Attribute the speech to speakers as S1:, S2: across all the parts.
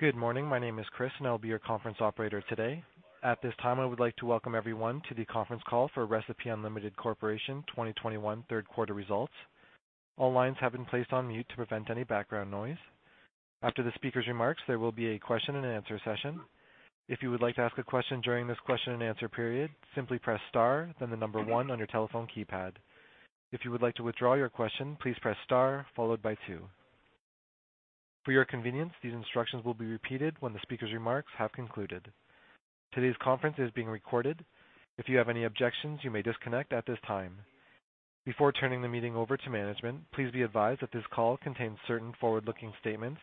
S1: Good morning. My name is Chris, and I'll be your conference operator today. At this time, I would like to welcome everyone to the conference call for Recipe Unlimited Corporation 2021 third quarter results. All lines have been placed on mute to prevent any background noise. After the speaker's remarks, there will be a question and answer session. If you would like to ask a question during this question and answer period, simply press star, then the number one on your telephone keypad. If you would like to withdraw your question, please press star followed by two. For your convenience, these instructions will be repeated when the speaker's remarks have concluded. Today's conference is being recorded. If you have any objections, you may disconnect at this time. Before turning the meeting over to management, please be advised that this call contains certain forward-looking statements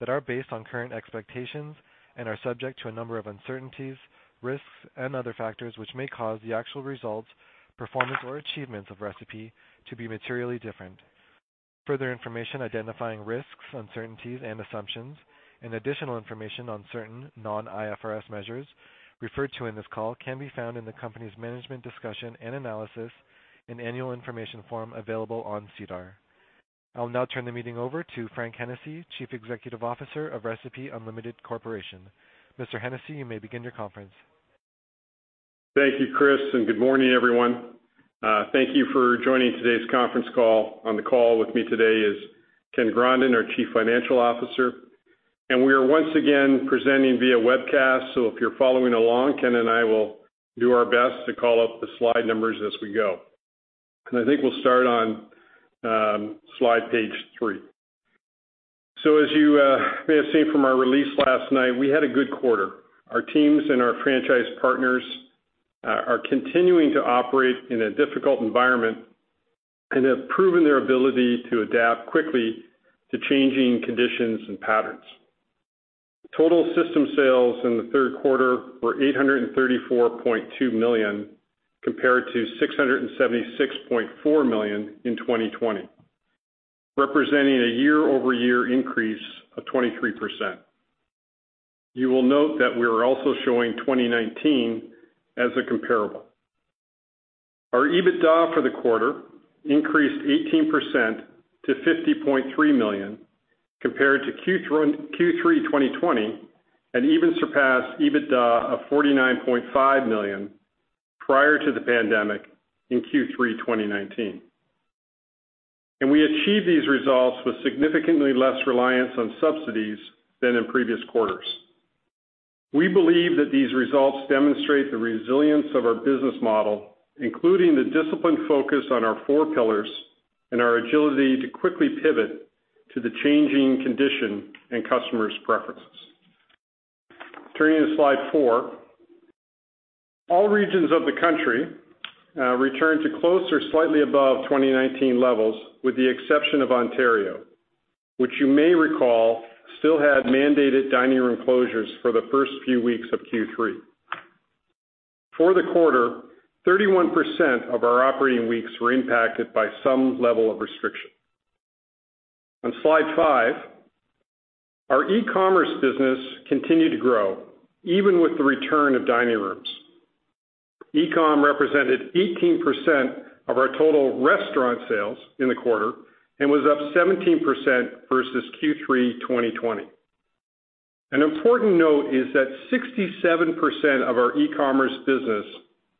S1: that are based on current expectations and are subject to a number of uncertainties, risks, and other factors which may cause the actual results, performance or achievements of Recipe to be materially different. Further information identifying risks, uncertainties and assumptions, and additional information on certain non-IFRS measures referred to in this call can be found in the company's management discussion and analysis and annual information form available on SEDAR. I'll now turn the meeting over to Frank Hennessey, Chief Executive Officer of Recipe Unlimited Corporation. Mr. Hennessey, you may begin your conference.
S2: Thank you, Chris. Good morning, everyone. Thank you for joining today's conference call. On the call with me today is Ken Grondin, our Chief Financial Officer. We are once again presenting via webcast. If you're following along, Ken and I will do our best to call up the slide numbers as we go. I think we'll start on slide page three. As you may have seen from our release last night, we had a good quarter. Our teams and our franchise partners are continuing to operate in a difficult environment and have proven their ability to adapt quickly to changing conditions and patterns. Total system sales in the third quarter were 834.2 million, compared to 676.4 million in 2020, representing a year-over-year increase of 23%. You will note that we are also showing 2019 as a comparable. Our EBITDA for the quarter increased 18% to 50.3 million compared to Q3 2020, even surpassed EBITDA of 49.5 million prior to the pandemic in Q3 2019. We achieved these results with significantly less reliance on subsidies than in previous quarters. We believe that these results demonstrate the resilience of our business model, including the disciplined focus on our four pillars and our agility to quickly pivot to the changing condition and customers' preferences. Turning to slide four. All regions of the country returned to close or slightly above 2019 levels, with the exception of Ontario, which you may recall, still had mandated dining room closures for the first few weeks of Q3. For the quarter, 31% of our operating weeks were impacted by some level of restriction. On slide five. Our e-commerce business continued to grow even with the return of dining rooms. E-com represented 18% of our total restaurant sales in the quarter and was up 17% versus Q3 2020. An important note is that 67% of our e-commerce business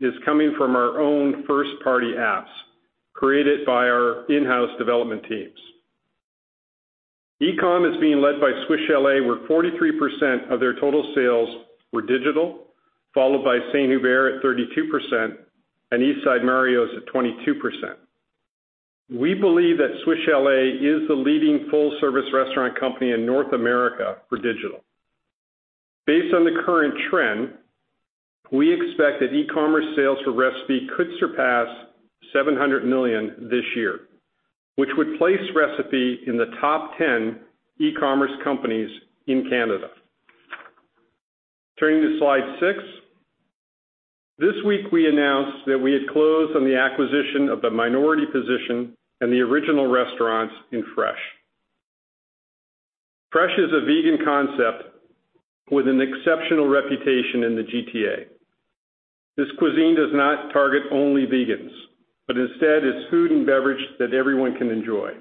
S2: is coming from our own first-party apps created by our in-house development teams. E-com is being led by Swiss Chalet, where 43% of their total sales were digital, followed by St-Hubert at 32%, and East Side Mario's at 22%. We believe that Swiss Chalet is the leading full service restaurant company in North America for digital. Based on the current trend, we expect that e-commerce sales for Recipe could surpass 700 million this year, which would place Recipe in the top 10 e-commerce companies in Canada. Turning to slide six. This week we announced that we had closed on the acquisition of the minority position and the original restaurants in Fresh. Fresh is a vegan concept with an exceptional reputation in the GTA. This cuisine does not target only vegans, but instead is food and beverage that everyone can enjoy.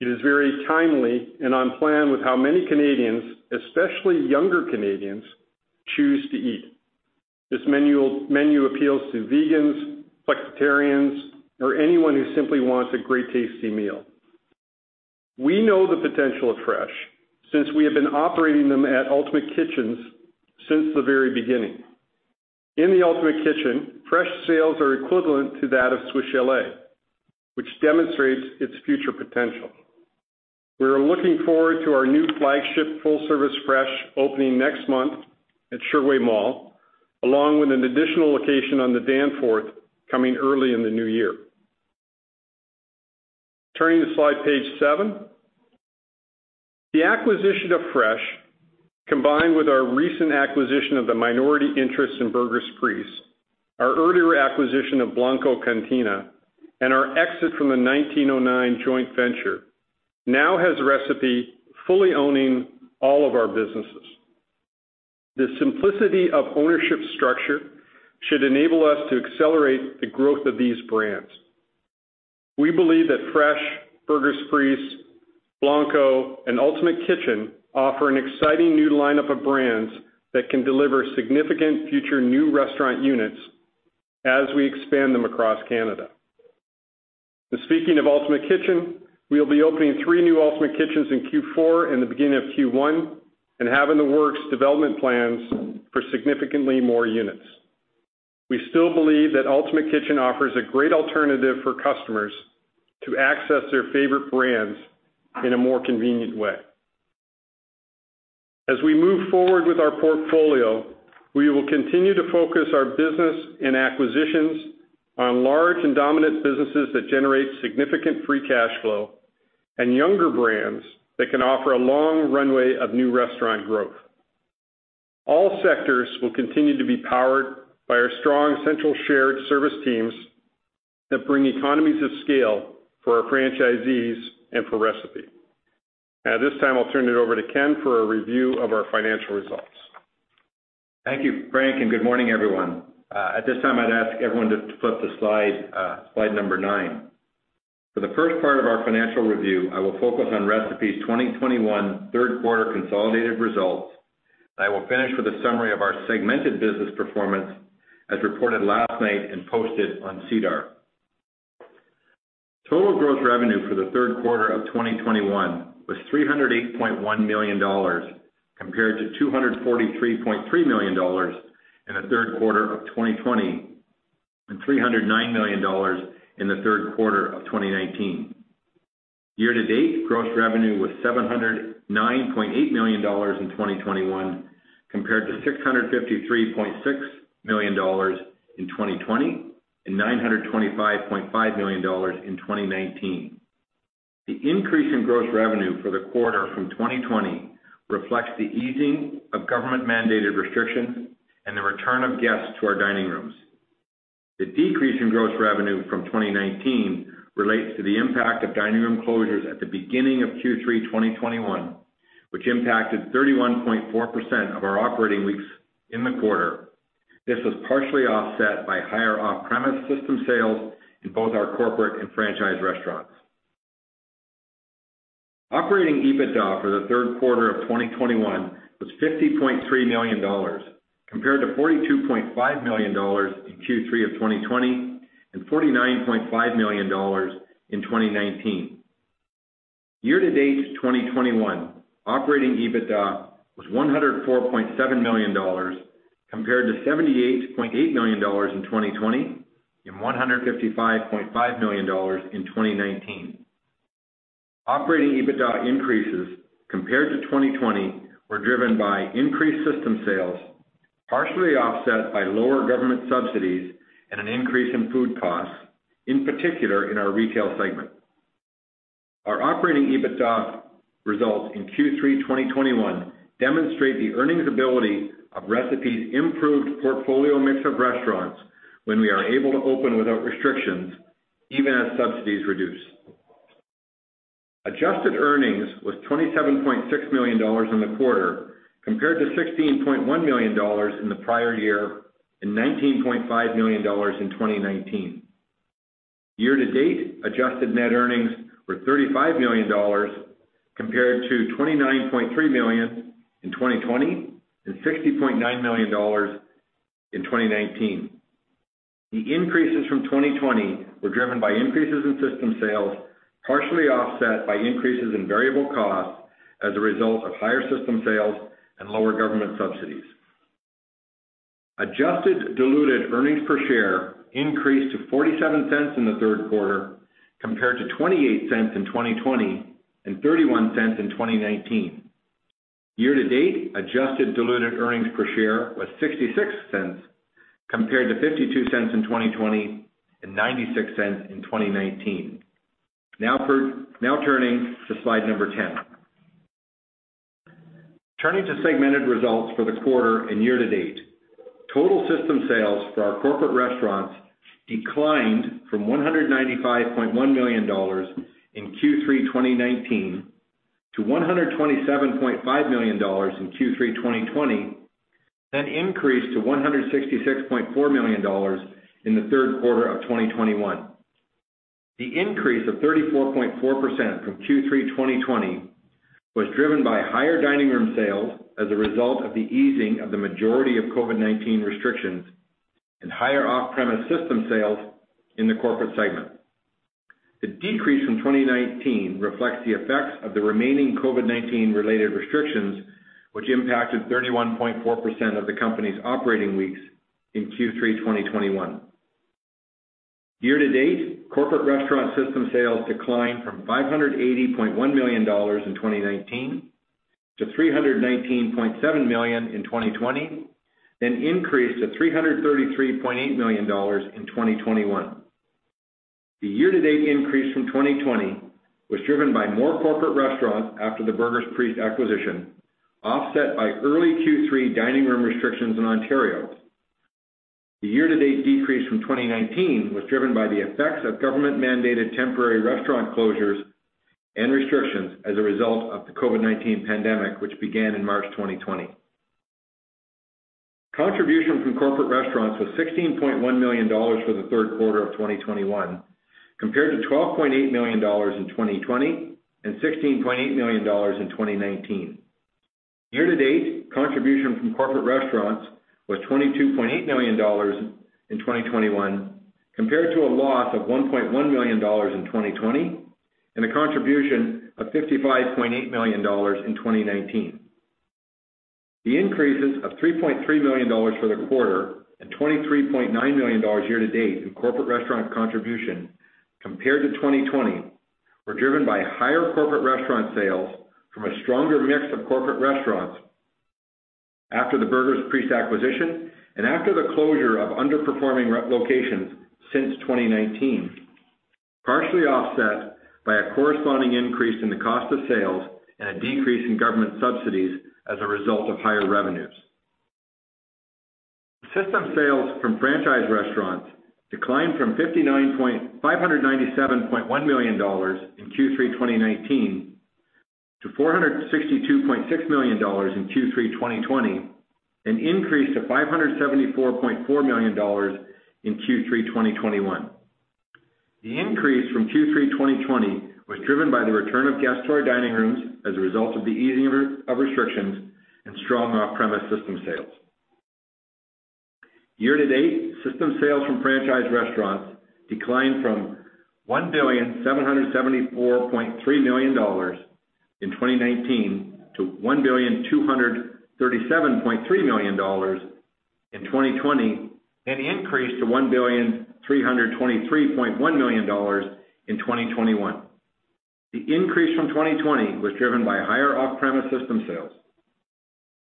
S2: It is very timely and on plan with how many Canadians, especially younger Canadians, choose to eat. This menu appeals to vegans, flexitarians, or anyone who simply wants a great tasting meal. We know the potential of Fresh since we have been operating them at Ultimate Kitchens since the very beginning. In the Ultimate Kitchen, Fresh sales are equivalent to that of Swiss Chalet, which demonstrates its future potential. We are looking forward to our new flagship full service Fresh opening next month at Sherway Mall, along with an additional location on the Danforth coming early in the new year. Turning to slide page seven. The acquisition of Fresh, combined with our recent acquisition of the minority interest in Burgers' Priest, our earlier acquisition of Blanco Cantina, and our exit from the 1909 joint venture now has Recipe fully owning all of our businesses. The simplicity of ownership structure should enable us to accelerate the growth of these brands. We believe that Fresh, Burgers' Priest, Blanco, and Ultimate Kitchen offer an exciting new lineup of brands that can deliver significant future new restaurant units as we expand them across Canada. Speaking of Ultimate Kitchen, we'll be opening three new Ultimate Kitchens in Q4 and the beginning of Q1, and have in the works development plans for significantly more units. We still believe that Ultimate Kitchen offers a great alternative for customers to access their favorite brands in a more convenient way. As we move forward with our portfolio, we will continue to focus our business and acquisitions on large and dominant businesses that generate significant free cash flow, and younger brands that can offer a long runway of new restaurant growth. All sectors will continue to be powered by our strong central shared service teams that bring economies of scale for our franchisees and for Recipe. At this time, I'll turn it over to Ken for a review of our financial results.
S3: Thank you, Frank, and good morning, everyone. At this time, I'd ask everyone to flip to slide number nine. For the first part of our financial review, I will focus on Recipe's 2021 third quarter consolidated results. I will finish with a summary of our segmented business performance as reported last night and posted on SEDAR. Total gross revenue for the third quarter of 2021 was CAD 308.1 million, compared to CAD 243.3 million in the third quarter of 2020, and CAD 309 million in the third quarter of 2019. Year-to-date gross revenue was CAD 709.8 million in 2021, compared to CAD 653.6 million in 2020, and 925.5 million dollars in 2019. The increase in gross revenue for the quarter from 2020 reflects the easing of government-mandated restrictions and the return of guests to our dining rooms. The decrease in gross revenue from 2019 relates to the impact of dining room closures at the beginning of Q3 2021, which impacted 31.4% of our operating weeks in the quarter. This was partially offset by higher off-premise system sales in both our corporate and franchise restaurants. Operating EBITDA for the third quarter of 2021 was 50.3 million dollars, compared to 42.5 million dollars in Q3 of 2020, and 49.5 million dollars in 2019. Year to date 2021 operating EBITDA was 104.7 million dollars, compared to 78.8 million dollars in 2020, and 155.5 million dollars in 2019. Operating EBITDA increases compared to 2020 were driven by increased system sales, partially offset by lower government subsidies and an increase in food costs, in particular in our retail segment. Our operating EBITDA results in Q3 2021 demonstrate the earnings ability of Recipe Unlimited's improved portfolio mix of restaurants when we are able to open without restrictions, even as subsidies reduce. Adjusted earnings was 27.6 million dollars in the quarter, compared to 16.1 million dollars in the prior year, and 19.5 million dollars in 2019. Year-to-date adjusted net earnings were 35 million dollars, compared to 29.3 million in 2020, and 60.9 million dollars in 2019. The increases from 2020 were driven by increases in system sales, partially offset by increases in variable costs as a result of higher system sales and lower government subsidies. Adjusted diluted earnings per share increased to 0.47 in the third quarter, compared to 0.28 in 2020, and 0.31 in 2019. Year-to-date adjusted diluted earnings per share was 0.66, compared to 0.52 in 2020, and 0.96 in 2019. Now turning to slide number 10. Turning to segmented results for the quarter and year to date, total system sales for our corporate restaurants declined from 195.1 million dollars in Q3 2019 to 127.5 million dollars in Q3 2020, increased to 166.4 million dollars in the third quarter of 2021. The increase of 34.4% from Q3 2020 was driven by higher dining room sales as a result of the easing of the majority of COVID-19 restrictions and higher off-premise system sales in the corporate segment. The decrease from 2019 reflects the effects of the remaining COVID-19 related restrictions, which impacted 31.4% of the company's operating weeks in Q3 2021. Year to date, corporate restaurant system sales declined from 580.1 million dollars in 2019 to 319.7 million in 2020, increased to 333.8 million dollars in 2021. The year-to-date increase from 2020 was driven by more corporate restaurants after the Burger's Priest acquisition, offset by early Q3 dining room restrictions in Ontario. The year-to-date decrease from 2019 was driven by the effects of government-mandated temporary restaurant closures and restrictions as a result of the COVID-19 pandemic, which began in March 2020. Contribution from corporate restaurants was CAD 16.1 million for the third quarter of 2021 compared to CAD 12.8 million in 2020 and CAD 16.8 million in 2019. Year-to-date contribution from corporate restaurants was CAD 22.8 million in 2021 compared to a loss of CAD 1.1 million in 2020 and a contribution of CAD 55.8 million in 2019. The increases of CAD 3.3 million for the quarter and 23.9 million dollars year-to-date in corporate restaurant contribution compared to 2020 were driven by higher corporate restaurant sales from a stronger mix of corporate restaurants after The Burger's Priest acquisition and after the closure of underperforming locations since 2019, partially offset by a corresponding increase in the cost of sales and a decrease in government subsidies as a result of higher revenues. System sales from franchise restaurants declined from 597.1 million dollars in Q3 2019 to 462.6 million dollars in Q3 2020, and increased to 574.4 million dollars in Q3 2021. The increase from Q3 2020 was driven by the return of guests to our dining rooms as a result of the easing of restrictions and strong off-premise system sales. Year-to-date, system sales from franchise restaurants declined from 1,774.3 million dollars in 2019 to 1,237.3 million dollars in 2020, and increased to 1,323.1 million dollars in 2021. The increase from 2020 was driven by higher off-premise system sales.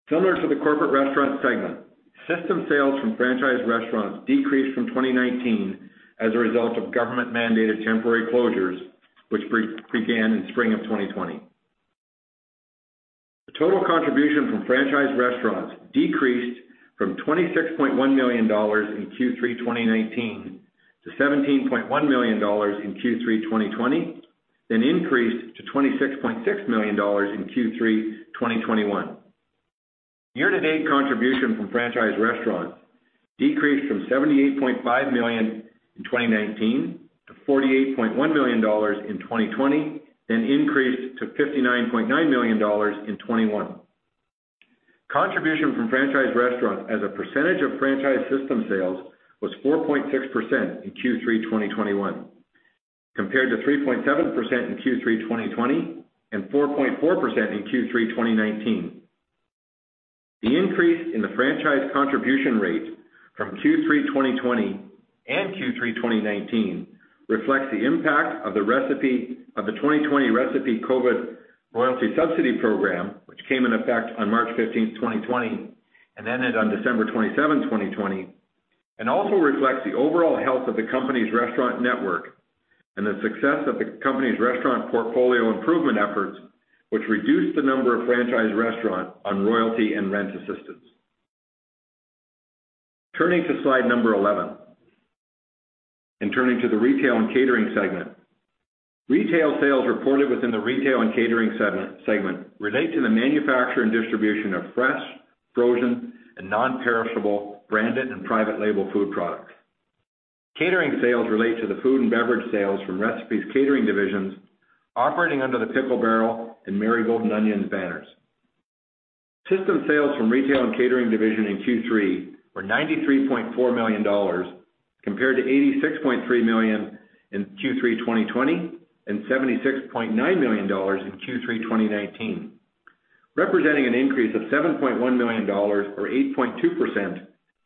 S3: Similar to the corporate restaurant segment, system sales from franchise restaurants decreased from 2019 as a result of government-mandated temporary closures, which began in spring of 2020. The total contribution from franchise restaurants decreased from 26.1 million dollars in Q3 2019 to 17.1 million dollars in Q3 2020, then increased to 26.6 million dollars in Q3 2021. Year-to-date contribution from franchise restaurants decreased from 78.5 million in 2019 to 48.1 million dollars in 2020, then increased to 59.9 million dollars in 2021. Contribution from franchise restaurants as a percentage of franchise system sales was 4.6% in Q3 2021, compared to 3.7% in Q3 2020 and 4.4% in Q3 2019. The increase in the franchise contribution rate from Q3 2020 and Q3 2019 reflects the impact of the 2020 Recipe COVID Royalty Subsidy Program, which came in effect on March 15th, 2020 and ended on December 27th, 2020. Also reflects the overall health of the company's restaurant network and the success of the company's restaurant portfolio improvement efforts, which reduced the number of franchise restaurants on royalty and rent assistance. Turning to slide number 11, turning to the Retail and Catering segment. Retail sales reported within the Retail and Catering segment relate to the manufacture and distribution of fresh, frozen, and non-perishable branded and private label food products. Catering sales relate to the food and beverage sales from Recipe's catering divisions operating under the Pickle Barrel and Marigolds & Onions banners. System sales from retail and catering division in Q3 were 93.4 million dollars, compared to 86.3 million in Q3 2020 and 76.9 million dollars in Q3 2019, representing an increase of 7.1 million dollars, or 8.2%,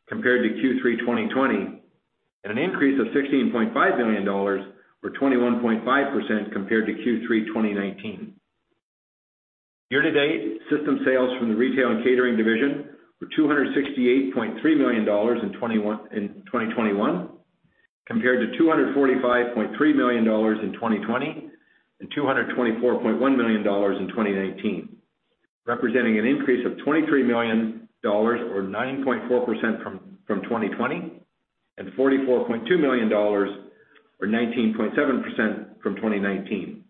S3: compared to Q3 2020, and an increase of 16.5 million dollars, or 21.5%, compared to Q3 2019. Year-to-date system sales from the retail and catering division were CAD 268.3 million in 2021, compared to CAD 245.3 million in 2020 and CAD 224.1 million in 2019, representing an increase of CAD 23 million, or 9.4%, from 2020, and CAD 44.2 million, or 19.7%, from 2019.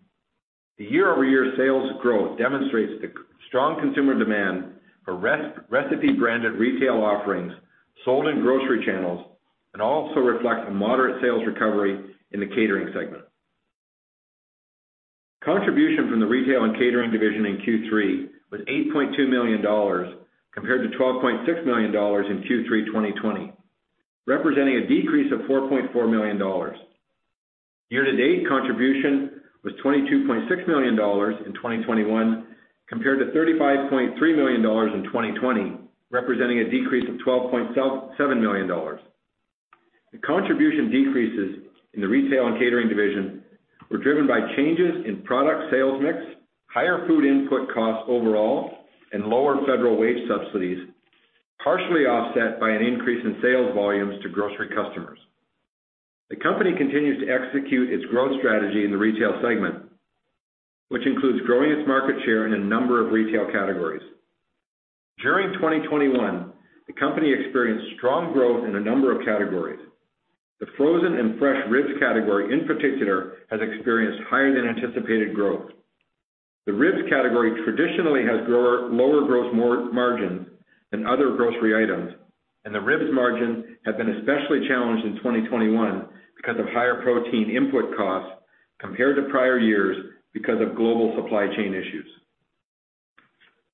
S3: The year-over-year sales growth demonstrates the strong consumer demand for Recipe branded retail offerings sold in grocery channels and also reflects a moderate sales recovery in the catering segment. Contribution from the retail and catering division in Q3 was 8.2 million dollars, compared to 12.6 million dollars in Q3 2020, representing a decrease of 4.4 million dollars. Year-to-date contribution was 22.6 million dollars in 2021, compared to 35.3 million dollars in 2020, representing a decrease of 12.7 million dollars. The contribution decreases in the retail and catering division were driven by changes in product sales mix, higher food input costs overall, and lower federal wage subsidies, partially offset by an increase in sales volumes to grocery customers. The company continues to execute its growth strategy in the retail segment, which includes growing its market share in a number of retail categories. During 2021, the company experienced strong growth in a number of categories. The frozen and fresh ribs category, in particular, has experienced higher than anticipated growth. The ribs category traditionally has lower growth margins than other grocery items, and the ribs margin has been especially challenged in 2021 because of higher protein input costs compared to prior years because of global supply chain issues.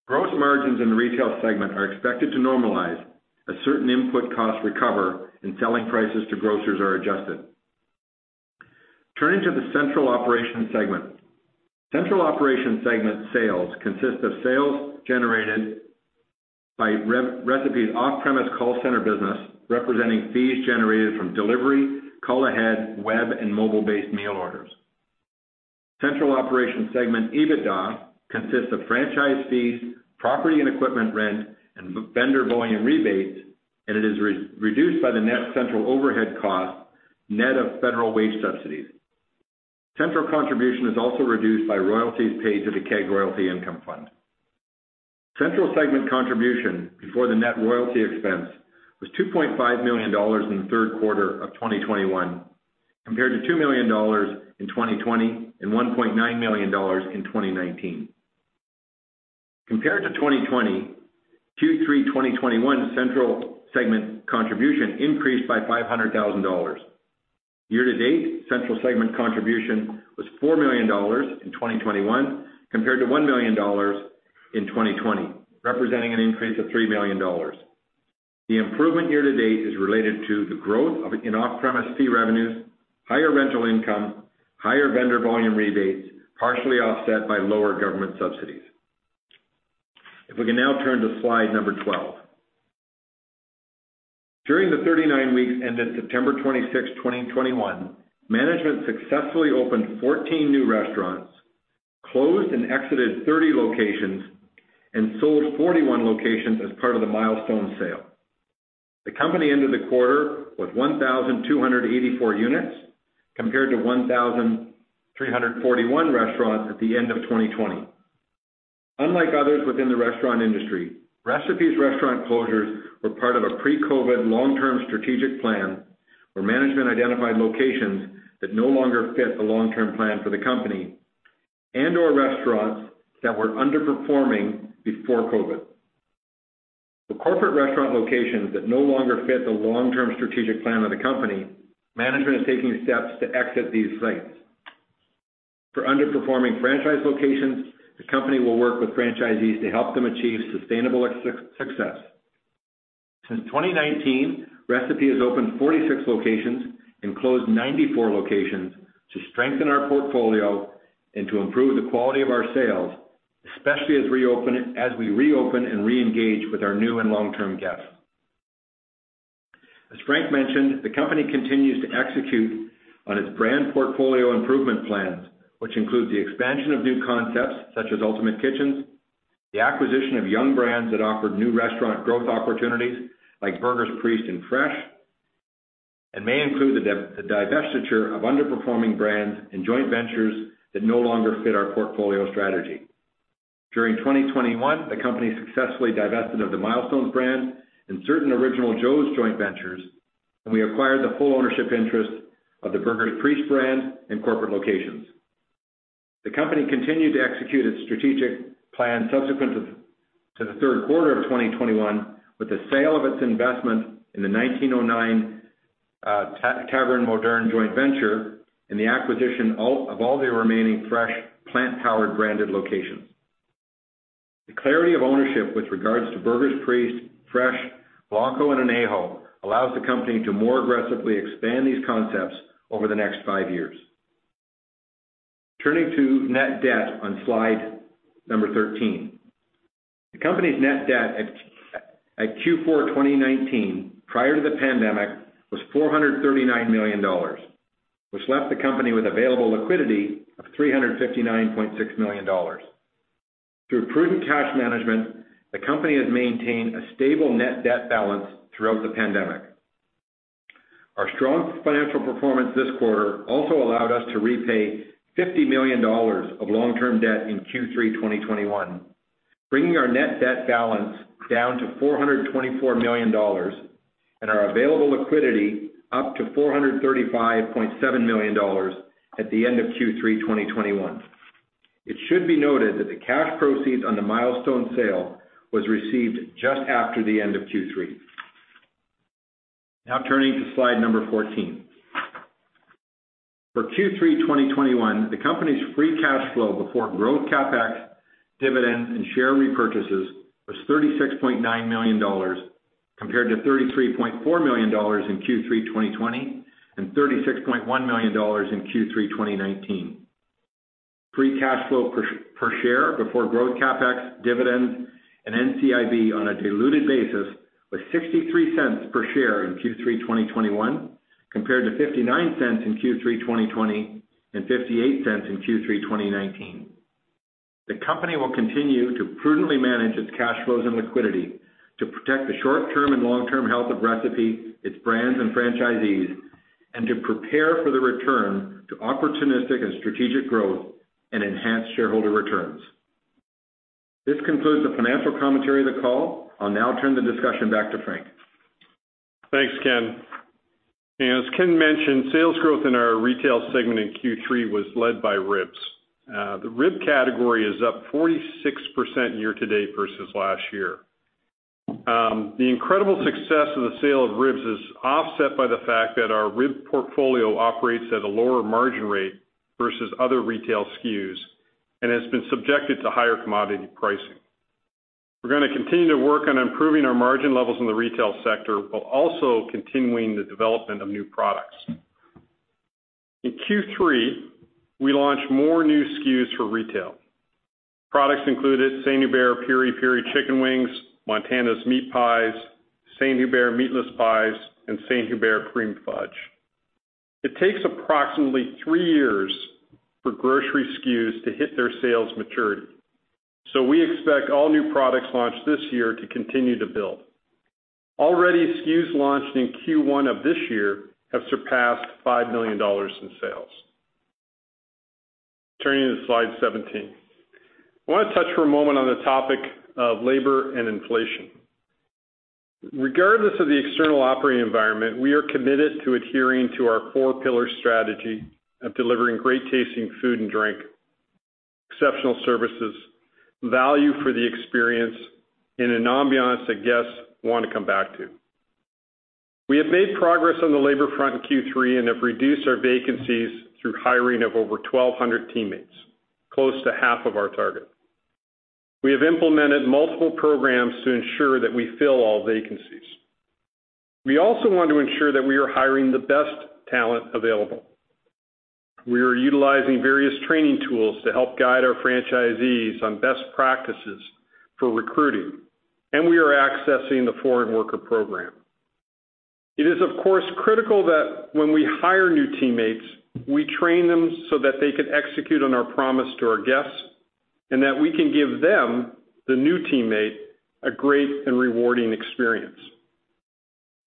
S3: Gross margins in the retail segment are expected to normalize as certain input costs recover and selling prices to grocers are adjusted. Turning to the central operations segment. Central operations segment sales consist of sales generated by Recipe's off-premise call center business, representing fees generated from delivery, call-ahead, web, and mobile-based meal orders. Central operations segment EBITDA consists of franchise fees, property and equipment rent, and vendor volume rebates, and it is reduced by the net central overhead cost, net of federal wage subsidies. Central contribution is also reduced by royalties paid to The Keg Royalties Income Fund. Central segment contribution before the net royalty expense was 2.5 million dollars in the third quarter of 2021 compared to 2 million dollars in 2020 and 1.9 million dollars in 2019. Compared to 2020, Q3 2021 central segment contribution increased by 500,000 dollars. Year-to-date, central segment contribution was 4 million dollars in 2021 compared to 1 million dollars in 2020, representing an increase of 3 million dollars. The improvement year-to-date is related to the growth in off-premise fee revenues, higher rental income, higher vendor volume rebates, partially offset by lower government subsidies. If we can now turn to slide number 12. During the 39 weeks ended September 26, 2021, management successfully opened 14 new restaurants, closed and exited 30 locations, and sold 41 locations as part of the Milestones sale. The company ended the quarter with 1,284 units compared to 1,341 restaurants at the end of 2020. Unlike others within the restaurant industry, Recipe's restaurant closures were part of a pre-COVID long-term strategic plan where management identified locations that no longer fit the long-term plan for the company and/or restaurants that were underperforming before COVID. For corporate restaurant locations that no longer fit the long-term strategic plan of the company, management is taking steps to exit these sites. For underperforming franchise locations, the company will work with franchisees to help them achieve sustainable success. Since 2019, Recipe has opened 46 locations and closed 94 locations to strengthen our portfolio and to improve the quality of our sales, especially as we reopen and re-engage with our new and long-term guests. As Frank mentioned, the company continues to execute on its brand portfolio improvement plans, which include the expansion of new concepts such as Ultimate Kitchens, the acquisition of young brands that offer new restaurant growth opportunities like Burger's Priest and Fresh, and may include the divestiture of underperforming brands and joint ventures that no longer fit our portfolio strategy. During 2021, the company successfully divested of the Milestones brand and certain Original Joe's joint ventures. We acquired the full ownership interest of the Burger's Priest brand and corporate locations. The company continued to execute its strategic plan subsequent to the third quarter of 2021 with the sale of its investment in the 1909 Taverne Moderne joint venture and the acquisition of all the remaining Fresh plant-based branded locations. The clarity of ownership with regards to Burger's Priest, Fresh, Blanco, and Añejo allows the company to more aggressively expand these concepts over the next five years. Turning to net debt on slide number 13. The company's net debt at Q4 2019, prior to the pandemic, was 439 million dollars, which left the company with available liquidity of 359.6 million dollars. Through prudent cash management, the company has maintained a stable net debt balance throughout the pandemic. Our strong financial performance this quarter also allowed us to repay 50 million dollars of long-term debt in Q3 2021, bringing our net debt balance down to 424 million dollars and our available liquidity up to 435.7 million dollars at the end of Q3 2021. It should be noted that the cash proceeds on the Milestones sale was received just after the end of Q3. Turning to slide number 14. For Q3 2021, the company's free cash flow before growth CapEx, dividends, and share repurchases was 36.9 million dollars compared to 33.4 million dollars in Q3 2020 and 36.1 million dollars in Q3 2019. Free cash flow per share before growth CapEx, dividends, and NCIB on a diluted basis was 0.63 per share in Q3 2021 compared to 0.59 in Q3 2020 and 0.58 in Q3 2019. The company will continue to prudently manage its cash flows and liquidity to protect the short-term and long-term health of Recipe, its brands and franchisees, and to prepare for the return to opportunistic and strategic growth and enhance shareholder returns. This concludes the financial commentary of the call. I'll now turn the discussion back to Frank.
S2: Thanks, Ken. As Ken mentioned, sales growth in our retail segment in Q3 was led by ribs. The rib category is up 46% year-to-date versus last year. The incredible success of the sale of ribs is offset by the fact that our rib portfolio operates at a lower margin rate versus other retail SKUs and has been subjected to higher commodity pricing. We're going to continue to work on improving our margin levels in the retail sector, while also continuing the development of new products. In Q3, we launched more new SKUs for retail. Products included St-Hubert Piri-Piri Chicken Wings, Montana's Meat Pies, St-Hubert Meatless Pies, and St-Hubert Cream Fudge. It takes approximately three years for grocery SKUs to hit their sales maturity. We expect all new products launched this year to continue to build. Already, SKUs launched in Q1 of this year have surpassed 5 million dollars in sales. Turning to slide 17. I want to touch for a moment on the topic of labor and inflation. Regardless of the external operating environment, we are committed to adhering to our four pillar strategy of delivering great tasting food and drink, exceptional services, value for the experience, and an ambiance that guests want to come back to. We have made progress on the labor front in Q3 and have reduced our vacancies through hiring of over 1,200 teammates, close to half of our target. We have implemented multiple programs to ensure that we fill all vacancies. We also want to ensure that we are hiring the best talent available. We are utilizing various training tools to help guide our franchisees on best practices for recruiting, and we are accessing the foreign worker program. It is, of course, critical that when we hire new teammates, we train them so that they can execute on our promise to our guests, and that we can give them, the new teammate, a great and rewarding experience.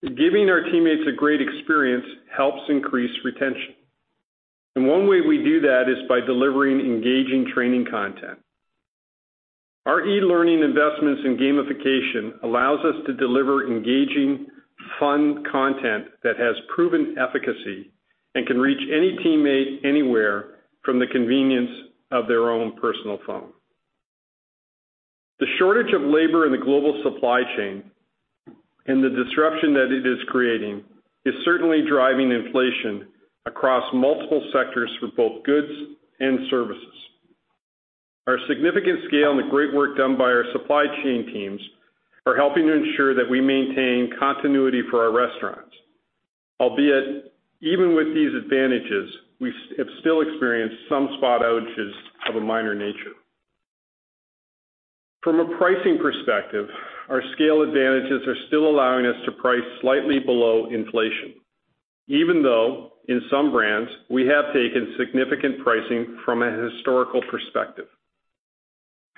S2: Giving our teammates a great experience helps increase retention. One way we do that is by delivering engaging training content. Our e-learning investments in gamification allows us to deliver engaging, fun content that has proven efficacy and can reach any teammate anywhere from the convenience of their own personal phone. The shortage of labor in the global supply chain and the disruption that it is creating is certainly driving inflation across multiple sectors for both goods and services. Our significant scale and the great work done by our supply chain teams are helping to ensure that we maintain continuity for our restaurants. Albeit, even with these advantages, we have still experienced some spot outages of a minor nature. From a pricing perspective, our scale advantages are still allowing us to price slightly below inflation, even though in some brands we have taken significant pricing from a historical perspective.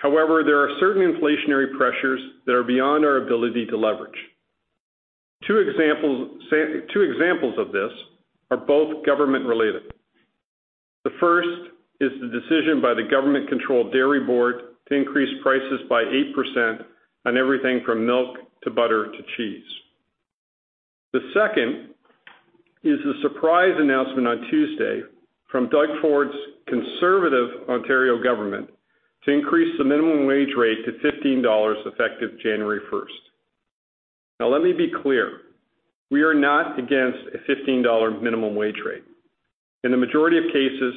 S2: There are certain inflationary pressures that are beyond our ability to leverage. Two examples of this are both government related. The first is the decision by the government-controlled dairy board to increase prices by 8% on everything from milk to butter to cheese. The second is the surprise announcement on Tuesday from Doug Ford's conservative Ontario government to increase the minimum wage rate to 15 dollars effective January 1st. Let me be clear, we are not against a 15 dollar minimum wage rate. In the majority of cases,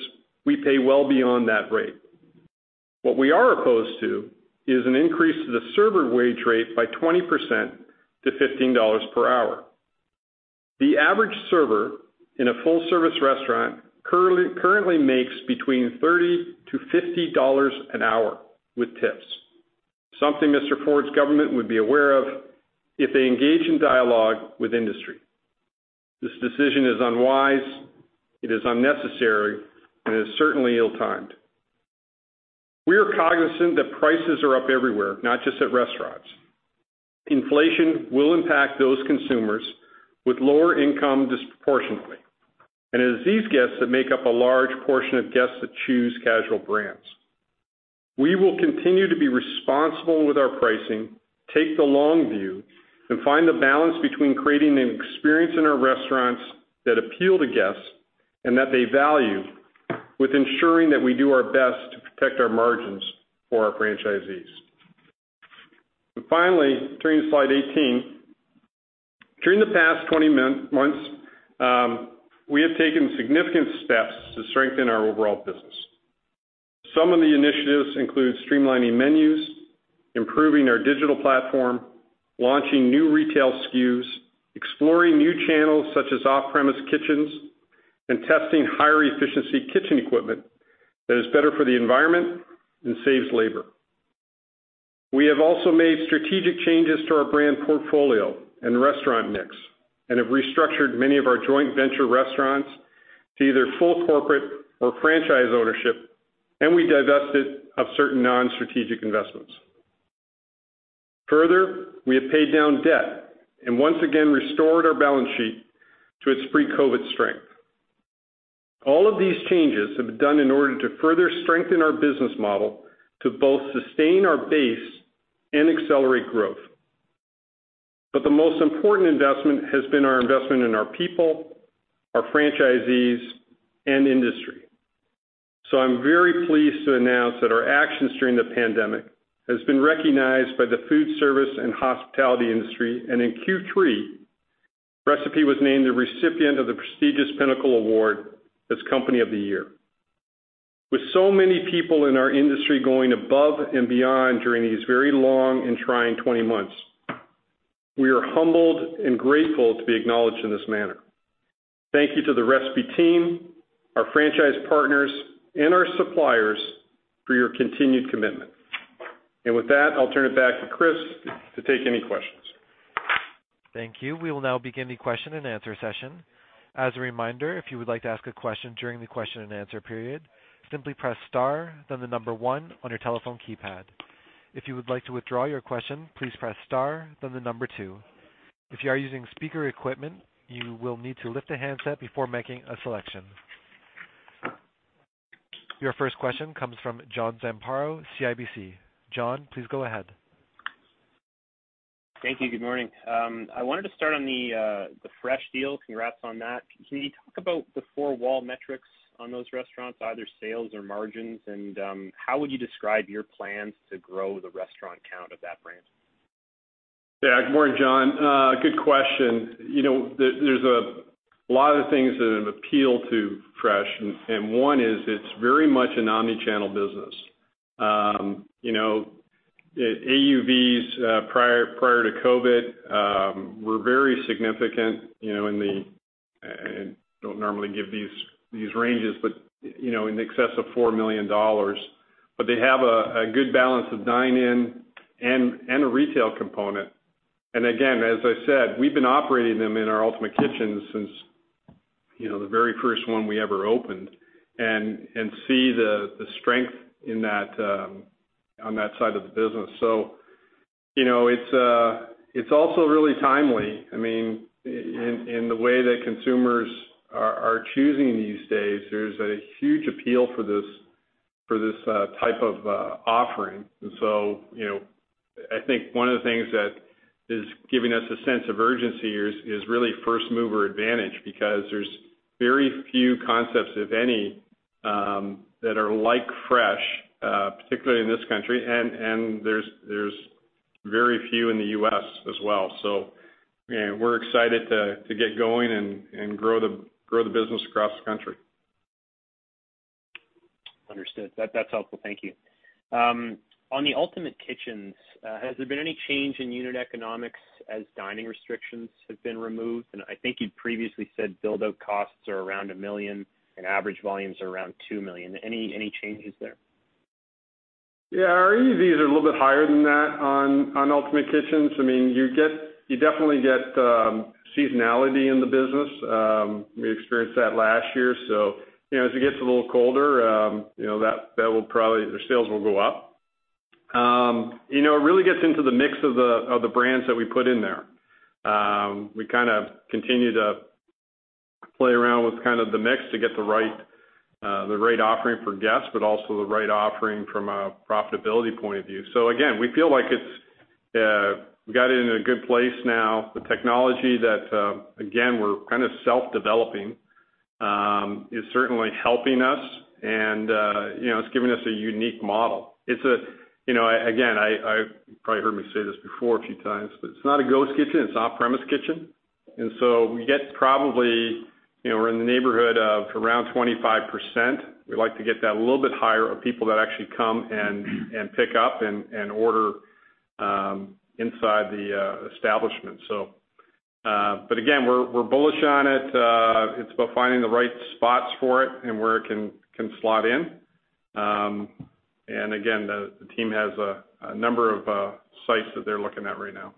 S2: we pay well beyond that rate. What we are opposed to is an increase to the server wage rate by 20% to 15 dollars per hour. The average server in a full service restaurant currently makes between 30 to 50 dollars an hour with tips. Something Mr. Ford's government would be aware of if they engage in dialogue with industry. This decision is unwise, it is unnecessary, is certainly ill-timed. We are cognizant that prices are up everywhere, not just at restaurants. Inflation will impact those consumers with lower income disproportionately, it is these guests that make up a large portion of guests that choose casual brands. We will continue to be responsible with our pricing, take the long view, find the balance between creating an experience in our restaurants that appeal to guests and that they value, with ensuring that we do our best to protect our margins for our franchisees. Finally, turning to slide 18. During the past 20 months, we have taken significant steps to strengthen our overall business. Some of the initiatives include streamlining menus, improving our digital platform, launching new retail SKUs, exploring new channels such as off-premise kitchens, and testing higher efficiency kitchen equipment that is better for the environment and saves labor. We have also made strategic changes to our brand portfolio and restaurant mix and have restructured many of our joint venture restaurants to either full corporate or franchise ownership, and we divested of certain non-strategic investments. Further, we have paid down debt and once again restored our balance sheet to its pre-COVID strength. All of these changes have been done in order to further strengthen our business model to both sustain our base and accelerate growth. The most important investment has been our investment in our people, our franchisees, and industry. I'm very pleased to announce that our actions during the pandemic has been recognized by the food service and hospitality industry, and in Q3, Recipe was named the recipient of the prestigious Pinnacle Award as Company of the Year. With so many people in our industry going above and beyond during these very long and trying 20 months, we are humbled and grateful to be acknowledged in this manner. Thank you to the Recipe team, our franchise partners, and our suppliers for your continued commitment. With that, I'll turn it back to Chris to take any questions.
S1: Thank you. We will now begin the question and answer session. As a reminder, if you would like to ask a question during the question and answer period, simply press star, then the number 1 on your telephone keypad. If you would like to withdraw your question, please press star, then the number 2. If you are using speaker equipment, you will need to lift the handset before making a selection. Your first question comes from John Zamparo, CIBC. John, please go ahead.
S4: Thank you. Good morning. I wanted to start on the Fresh deal. Congrats on that. Can you talk about the four-wall metrics on those restaurants, either sales or margins, and how would you describe your plans to grow the restaurant count of that brand?
S2: Good morning, John. Good question. There's a lot of things that appeal to Fresh, and one is it's very much an omni-channel business. AUVs prior to COVID were very significant, and I don't normally give these ranges, but in excess of 4 million dollars. They have a good balance of dine-in and a retail component. Again, as I said, we've been operating them in our Ultimate Kitchens since the very first one we ever opened and see the strength on that side of the business. It's also really timely. In the way that consumers are choosing these days, there's a huge appeal for this type of offering. I think one of the things that is giving us a sense of urgency is really first-mover advantage, because there's very few concepts, if any, that are like Fresh, particularly in this country, and there's very few in the U.S. as well. We're excited to get going and grow the business across the country.
S4: Understood. That's helpful. Thank you. On the Ultimate Kitchens, has there been any change in unit economics as dining restrictions have been removed? I think you previously said build-out costs are around 1 million and average volumes are around 2 million. Any changes there?
S2: Yeah. Our AUVs are a little bit higher than that on Ultimate Kitchens. You definitely get seasonality in the business. We experienced that last year. As it gets a little colder, the sales will go up. It really gets into the mix of the brands that we put in there. We kind of continue to play around with the mix to get the right offering for guests, but also the right offering from a profitability point of view. Again, we feel like we got it in a good place now. The technology that, again, we're kind of self-developing, is certainly helping us and it's giving us a unique model. You probably heard me say this before a few times, but it's not a ghost kitchen, it's an off-premise kitchen. We get probably in the neighborhood of around 25%. We like to get that a little bit higher of people that actually come and pick up and order inside the establishment. Again, we're bullish on it. It's about finding the right spots for it and where it can slot in. Again, the team has a number of sites that they're looking at right now.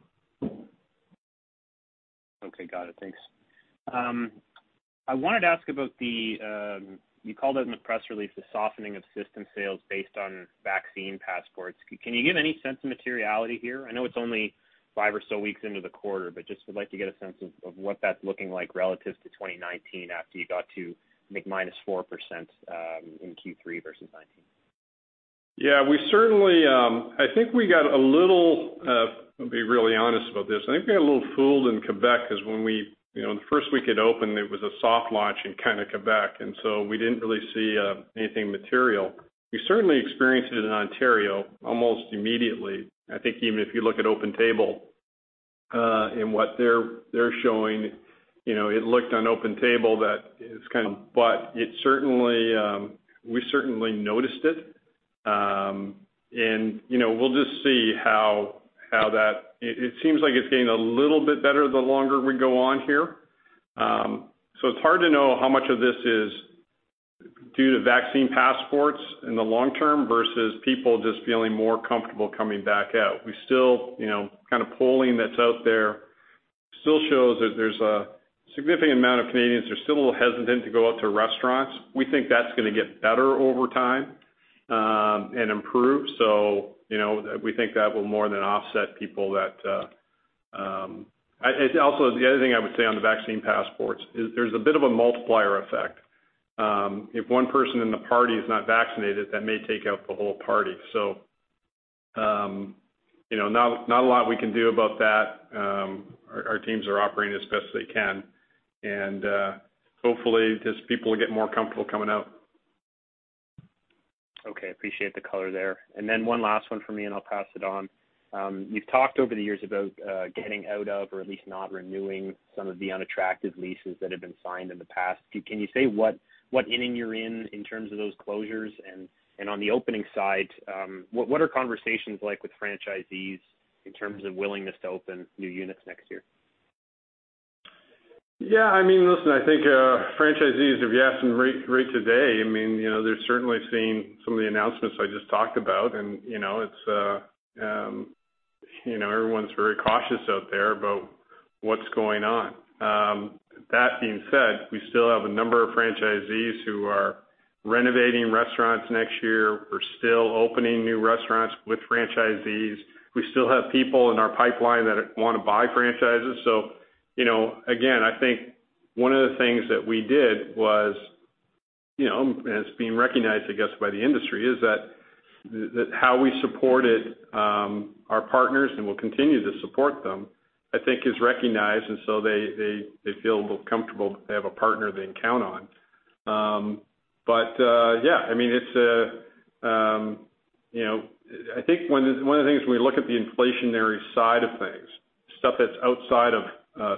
S4: Okay. Got it. Thanks. I wanted to ask about the, you called it in the press release, the softening of system sales based on vaccine passports. Can you give any sense of materiality here? I know it's only five or so weeks into the quarter, but just would like to get a sense of what that's looking like relative to 2019 after you got to, I think, minus 4% in Q3 versus 2019.
S2: Yeah. I'll be really honest about this. I think we got a little fooled in Quebec because when the first week it opened, it was a soft launch in Quebec. We didn't really see anything material. We certainly experienced it in Ontario almost immediately. I think even if you look at OpenTable and what they're showing, it looked on OpenTable that. We certainly noticed it. We'll just see how. It seems like it's getting a little bit better the longer we go on here. It's hard to know how much of this is due to vaccine passports in the long term versus people just feeling more comfortable coming back out. Kind of polling that's out there still shows that there's a significant amount of Canadians that are still a little hesitant to go out to restaurants. We think that's going to get better over time and improve. We think that will more than offset. The other thing I would say on the vaccine passports is there's a bit of a multiplier effect. If one person in the party is not vaccinated, that may take out the whole party. Not a lot we can do about that. Our teams are operating as best they can, and hopefully, just people will get more comfortable coming out.
S4: Okay. Appreciate the color there. One last one from me, I'll pass it on. You've talked over the years about getting out of or at least not renewing some of the unattractive leases that have been signed in the past. Can you say what inning you're in terms of those closures? On the opening side, what are conversations like with franchisees in terms of willingness to open new units next year?
S2: Yeah. Listen, I think, franchisees, if you ask them right today, they're certainly seeing some of the announcements I just talked about, and everyone's very cautious out there about what's going on. That being said, we still have a number of franchisees who are renovating restaurants next year. We're still opening new restaurants with franchisees. We still have people in our pipeline that want to buy franchises. Again, I think one of the things that we did was, and it's being recognized, I guess, by the industry, is that how we supported our partners and will continue to support them, I think, is recognized, and so they feel more comfortable they have a partner they can count on. Yeah, I think one of the things when we look at the inflationary side of things, stuff that's outside of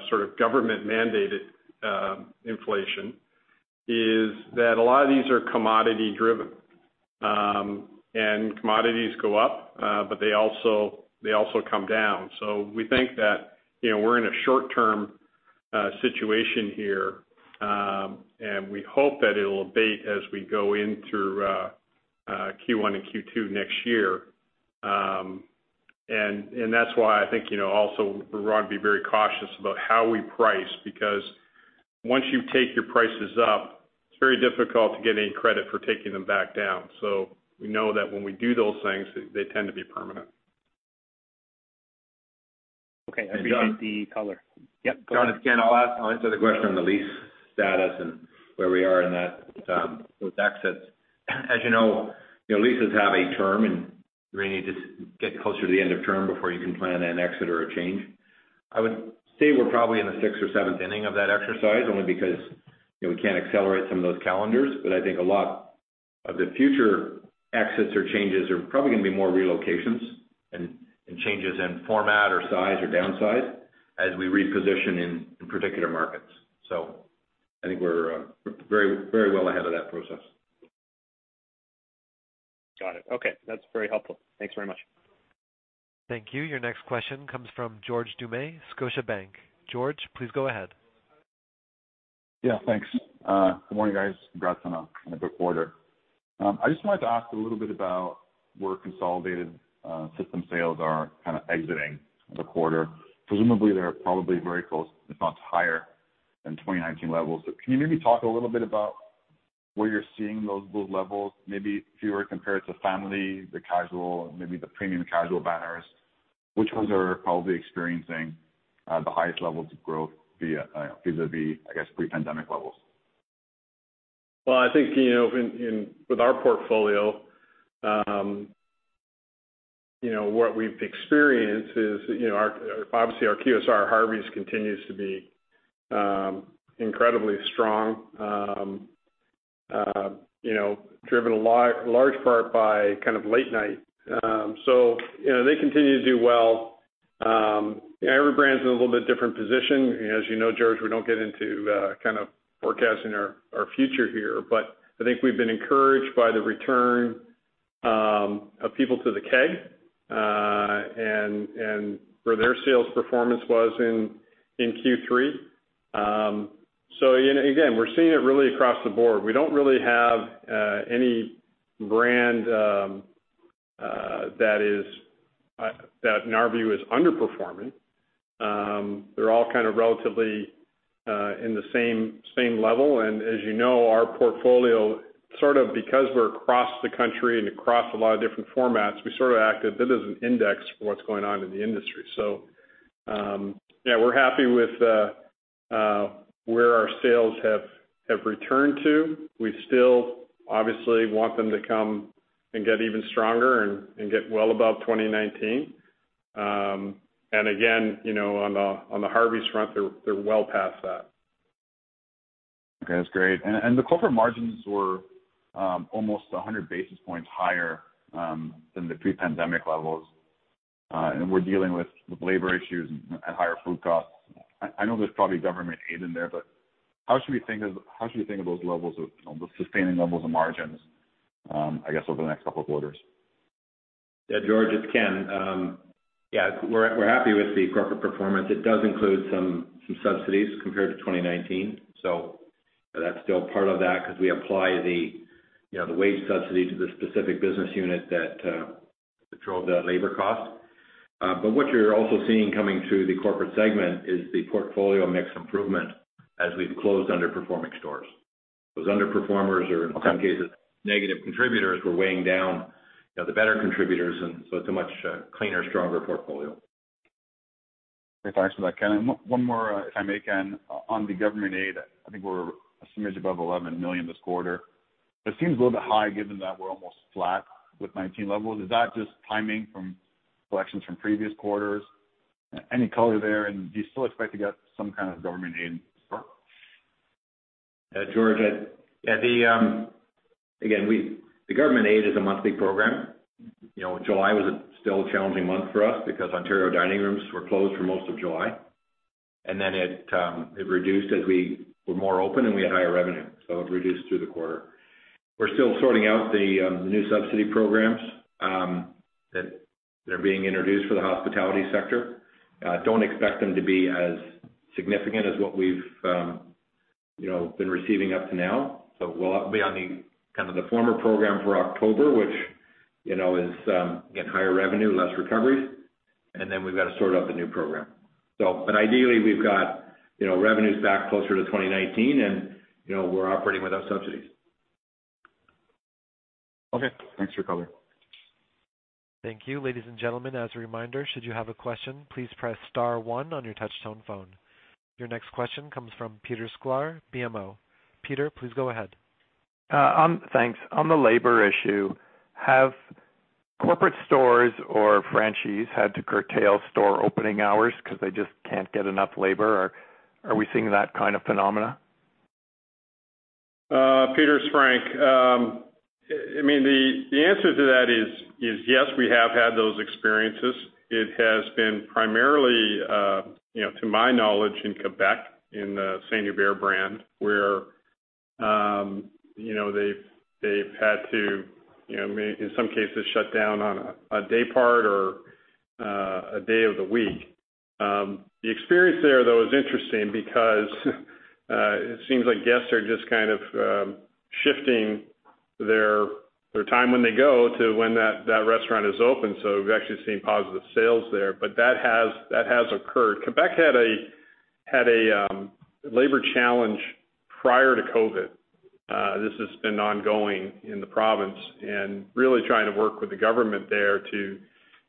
S2: sort of government-mandated inflation, is that a lot of these are commodity driven. Commodities go up, but they also come down. We think that we're in a short-term situation here, and we hope that it'll abate as we go into Q1 and Q2 next year. That's why I think also we want to be very cautious about how we price, because once you take your prices up, it's very difficult to get any credit for taking them back down. We know that when we do those things, they tend to be permanent.
S4: Okay. I appreciate the color.
S3: And John
S4: Yep, go ahead.
S3: John, again, I'll answer the question on the lease status and where we are in those exits. As you know, leases have a term, and you really need to get closer to the end of term before you can plan an exit or a change. I would say we're probably in the sixth or seventh inning of that exercise, only because we can't accelerate some of those calendars. I think a lot of the future exits or changes are probably going to be more relocations and changes in format or size or downsize as we reposition in particular markets. I think we're very well ahead of that process.
S4: Got it. Okay. That's very helpful. Thanks very much.
S1: Thank you. Your next question comes from George Doukas, Scotiabank. George, please go ahead.
S5: Yeah, thanks. Good morning, guys. Congrats on a good quarter. I just wanted to ask a little bit about where consolidated system sales are exiting the quarter. Presumably, they're probably very close, if not higher, than 2019 levels. Can you maybe talk a little bit about where you're seeing those levels, maybe if you were to compare it to family, the casual, maybe the premium casual banners? Which ones are probably experiencing the highest levels of growth vis-a-vis, I guess, pre-pandemic levels?
S2: Well, I think with our portfolio, what we've experienced is, obviously our QSR, Harvey's, continues to be incredibly strong, driven a large part by kind of late night. They continue to do well. Every brand is in a little bit different position. As you know, George, we don't get into kind of forecasting our future here, but I think we've been encouraged by the return of people to The Keg, and where their sales performance was in Q3. Again, we're seeing it really across the board. We don't really have any brand that in our view is underperforming. They're all kind of relatively in the same level, and as you know, our portfolio, sort of because we're across the country and across a lot of different formats, we sort of act a bit as an index for what's going on in the industry. Yeah, we're happy with where our sales have returned to. We still obviously want them to come and get even stronger and get well above 2019. Again, on the Harvey's front, they're well past that.
S5: Okay, that's great. The corporate margins were almost 100 basis points higher than the pre-pandemic levels. We're dealing with labor issues and higher food costs. I know there's probably government aid in there, but how should we think of those sustaining levels of margins, I guess, over the next couple of quarters?
S3: George, it's Ken. Yeah, we're happy with the corporate performance. It does include some subsidies compared to 2019, that's still part of that because we apply the wage subsidy to the specific business unit that drove the labor cost. What you're also seeing coming through the corporate segment is the portfolio mix improvement as we've closed underperforming stores. Those underperformers are in some cases, negative contributors who are weighing down the better contributors, it's a much cleaner, stronger portfolio.
S5: Thanks for that, Ken. One more, if I may, Ken, on the government aid, I think we're assuming it's above 11 million this quarter. It seems a little bit high given that we're almost flat with 2019 levels. Is that just timing from collections from previous quarters? Any color there? Do you still expect to get some kind of government aid support?
S3: George, again, the government aid is a monthly program. July was still a challenging month for us because Ontario dining rooms were closed for most of July. Then it reduced as we were more open and we had higher revenue, so it reduced through the quarter. We're still sorting out the new subsidy programs that are being introduced for the hospitality sector. Don't expect them to be as significant as what we've been receiving up to now. We'll be on the former program for October, which is getting higher revenue, less recoveries, and then we've got to sort out the new program. Ideally, we've got revenues back closer to 2019 and we're operating without subsidies.
S5: Okay, thanks for your color.
S1: Thank you. Ladies and gentlemen, as a reminder, should you have a question, please press star one on your touch-tone phone. Your next question comes from Peter Sklar, BMO. Peter, please go ahead.
S6: Thanks. On the labor issue, have corporate stores or franchisees had to curtail store opening hours because they just can't get enough labor, or are we seeing that kind of phenomena?
S2: Peter, it's Frank. The answer to that is, yes, we have had those experiences. It has been primarily, to my knowledge, in Quebec, in the St-Hubert brand, where they've had to, in some cases, shut down on a day part or a day of the week. The experience there, though, is interesting because it seems like guests are just kind of shifting their time when they go to when that restaurant is open, so we've actually seen positive sales there. That has occurred. Quebec had a labor challenge prior to COVID. This has been ongoing in the province, and really trying to work with the government there to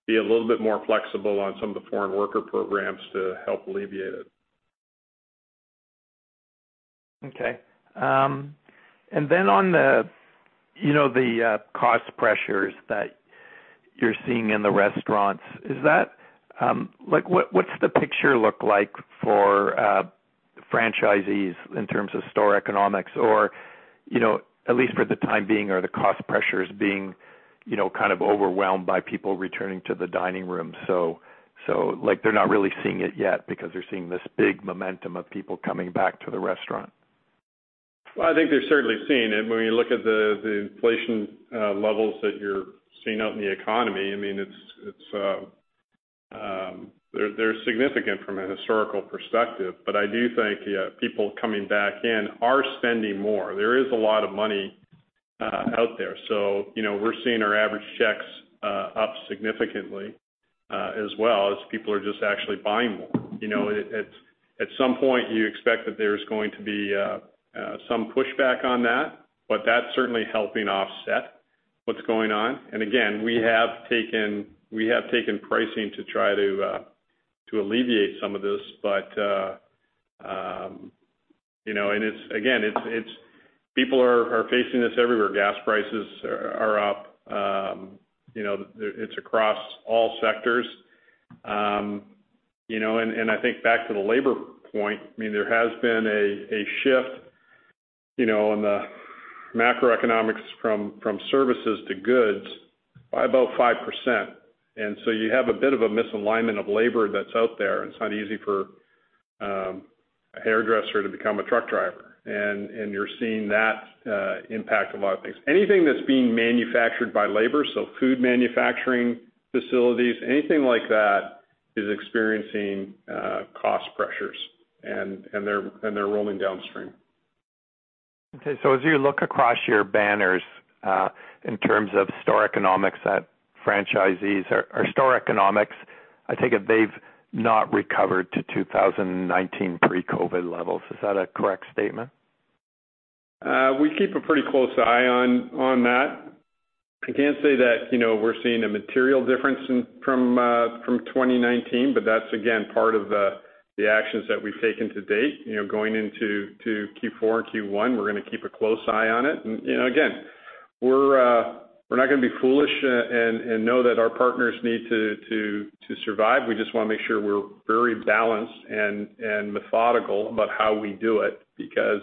S2: be a little bit more flexible on some of the foreign worker programs to help alleviate it.
S6: Okay. On the cost pressures that you're seeing in the restaurants, what does the picture look like for franchisees in terms of store economics? At least for the time being, are the cost pressures being kind of overwhelmed by people returning to the dining room? They're not really seeing it yet because they're seeing this big momentum of people coming back to the restaurant.
S2: Well, I think they're certainly seeing it. When you look at the inflation levels that you're seeing out in the economy, they're significant from an historical perspective. I do think people coming back in are spending more. There is a lot of money out there. We're seeing our average checks up significantly as well as people are just actually buying more. At some point, you expect that there's going to be some pushback on that, but that's certainly helping offset what's going on. Again, we have taken pricing to try to alleviate some of this. Again, people are facing this everywhere. Gas prices are up. It's across all sectors. I think back to the labor point, there has been a shift in the macroeconomics from services to goods by about 5%, and so you have a bit of a misalignment of labor that's out there. It's not easy for a hairdresser to become a truck driver. You're seeing that impact a lot of things. Anything that's being manufactured by labor, so food manufacturing facilities, anything like that, is experiencing cost pressures, and they're rolling downstream.
S6: Okay. As you look across your banners in terms of store economics at franchisees, or store economics, I take it they've not recovered to 2019 pre-COVID levels. Is that a correct statement?
S2: We keep a pretty close eye on that. That's, again, part of the actions that we've taken to date. Going into Q4 and Q1, we're going to keep a close eye on it. Again, we're not going to be foolish and know that our partners need to survive. We just want to make sure we're very balanced and methodical about how we do it, because,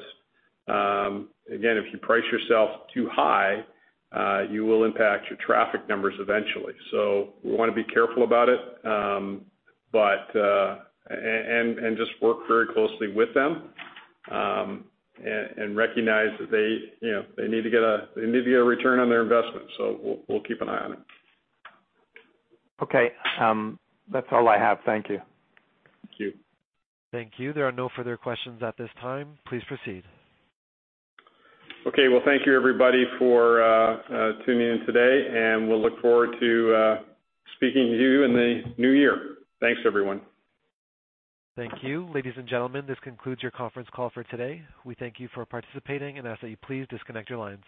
S2: again, if you price yourself too high, you will impact your traffic numbers eventually. We want to be careful about it and just work very closely with them, and recognize that they need to get a return on their investment. We'll keep an eye on it.
S6: Okay. That's all I have. Thank you.
S2: Thank you.
S1: Thank you. There are no further questions at this time. Please proceed.
S2: Okay. Well, thank you, everybody, for tuning in today, and we'll look forward to speaking to you in the new year. Thanks, everyone.
S1: Thank you. Ladies and gentlemen, this concludes your conference call for today. We thank you for participating and ask that you please disconnect your lines.